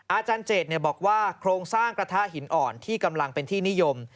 อาจารย์เจดบอกว่าโครงสร้างกระทะหินอ่อนที่กำลังเป็นที่นิยม